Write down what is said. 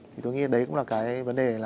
thì tôi nghĩ đấy cũng là cái vấn đề